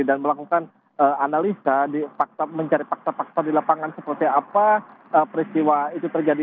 dan melakukan analisa mencari faktor faktor di lapangan seperti apa peristiwa itu terjadi